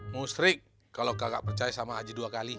mustrik kalau kakak percaya sama haji dua kali